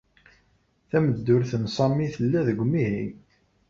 Tameddurt n Sami tella deg umihi.